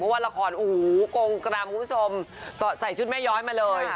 โอ้โฮกรงกรามคุณผู้ชมใส่ชุดแม่ย้อยมาเลย